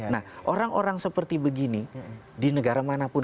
nah orang orang seperti begini di negara manapun